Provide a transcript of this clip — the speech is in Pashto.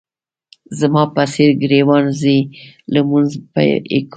زما په څېرې ګریوان ځي لمونځ پې کومه.